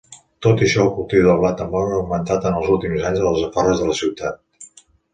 Tot i això, el cultiu de blat de moro ha augmentant en els últims anys a les afores de la ciutat.